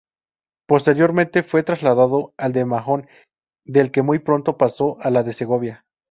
Posteriormente fue trasladado al de Mahón, del que muy pronto pasó al de Segovia.